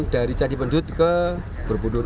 dari candi mendut ke borobudur